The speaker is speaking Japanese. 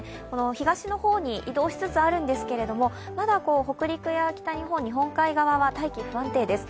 東の方に移動しつつあるんですけれども、まだ北陸は北日本日本海側は大気、不安定です。